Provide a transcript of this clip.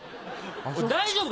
大丈夫か？